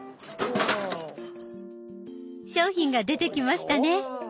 商品が出てきましたね。